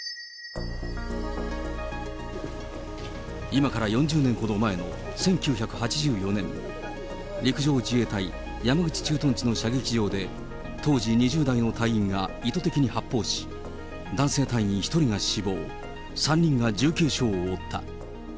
今から４０年ほど前の１９８４年、陸上自衛隊山口駐屯地の射撃場で、当時２０代の隊員が意図的に発砲し、男性隊員１人が死亡、３人が重軽傷を負った。